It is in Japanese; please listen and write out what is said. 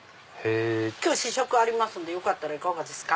今日試食ありますんでよかったらいかがですか？